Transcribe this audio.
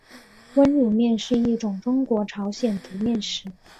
温卤面是一种中国朝鲜族面食。